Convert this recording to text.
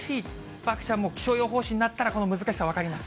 漠ちゃんも気象予報士になったら、この難しさ、分かります。